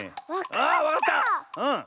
あわかった！